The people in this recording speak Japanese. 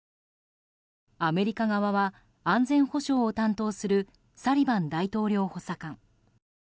アメリカ側は安全保障を担当するサリバン大統領補佐官。